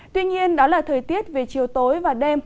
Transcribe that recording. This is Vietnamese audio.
tuy nhiên đó là thời tiết về chiều tối và đêm